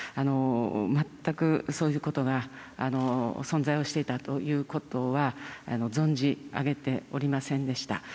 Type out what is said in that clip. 全くそういうことが存在をしていたということは、存じ上げておりませんでした。